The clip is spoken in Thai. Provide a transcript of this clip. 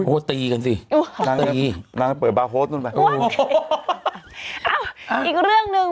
โอ้ยโอ้ยตีกันสิตีนางนั้นเปิดบาร์โพสต์นั่นไปโอ้ยอ้าวอีกเรื่องนึง